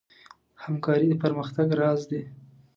همکاري د پرمختګ راز دی.